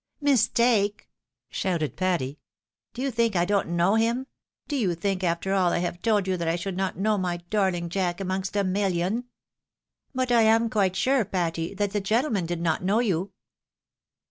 " Mistake !" shouted Patty. " Do you think I don't know him? Do you think, after all I have told you, that I should not know my darhng Jack amongst a million ?"" But I am quite sure, Patty, that the gentleman did not know you."